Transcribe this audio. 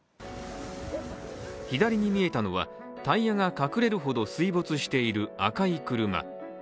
左に見えたのは、タイヤが隠れるほど水没している赤い車。